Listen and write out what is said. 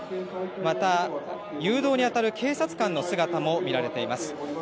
また誘導にあたる警察官の姿も見られています。